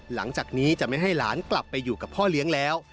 หลังจากนี้จะไม่ให้หลานกลับไปอยู่กับพ่อเลี้ยงแล้ว